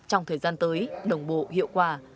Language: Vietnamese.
trong thời gian tới đồng bộ hiệu quả